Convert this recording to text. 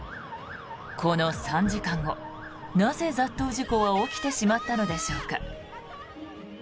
この３時間後、なぜ雑踏事故は起きてしまったのでしょうか。